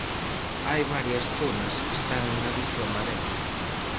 Hai varias zonas que están en aviso amarelo.